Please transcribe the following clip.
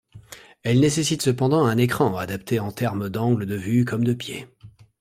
Elle nécessite cependant un écran adapté en terme d'angle de vue comme de pieds.